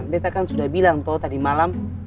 betta kan sudah bilang tau tadi malam